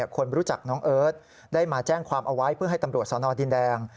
คนรู้จักน้องเอิร์ทได้มาแจ้งความเอาไว้เพื่อให้ตำรวจสนดินแดง